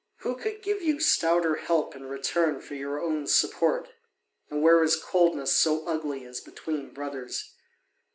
Who could give you stouter help in return for your own support? And where is coldness so ugly as between brothers?